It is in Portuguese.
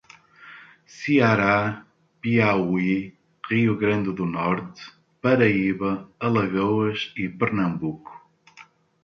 Ceará, Piauí, Rio grande do Norte, Paraíba, Alagoas e Pernambuco